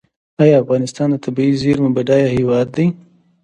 آیا افغانستان د طبیعي زیرمو بډایه هیواد دی؟